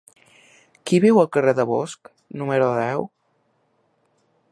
Qui viu al carrer de Bosch número deu?